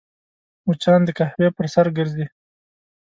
مچان د قهوې پر سر ګرځي